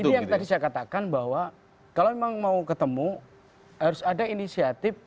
nah ini yang tadi saya katakan bahwa kalau memang mau ketemu harus ada inisiatif